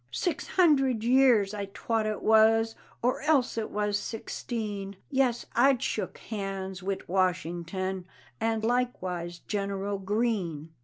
Six hundred years I t'ought it was, Or else it was sixteen Yes; I'd shook hands wid Washington And likewise General Greene.